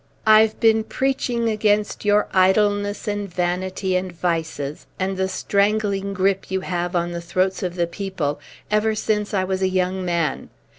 I've been preaching against your idleness and vanity and vices, and the strangling grip you have on the throats of the people, ever since I was a young man.